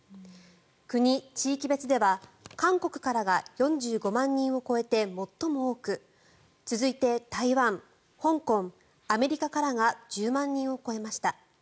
国・地域別では韓国からが４５万人を超えて最も多く続いて台湾、香港、アメリカからが１０万人を超えました。